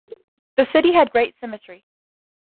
The city had great symmetry.